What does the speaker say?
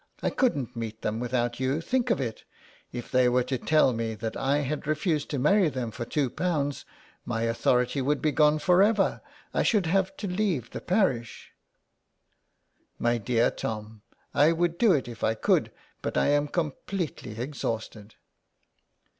I couldn't meet them without you. Think of it. If they were to tell me 63 SOME PARISHIONERS. that I had refused to marry them for two pounds, my authority would be gone for ever. I should have to leave the parish." " My dear Tom, I would do it if I could, but I am completely exhausted."